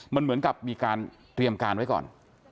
มันเหมือนกับมีการเตรียมการไว้ก่อน